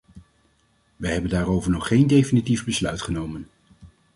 Wij hebben daarover nog geen definitief besluit genomen.